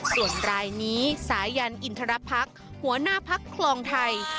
ส่วนรายนี้สายันอินทรพรรคหัวหน้าพักคลองไทย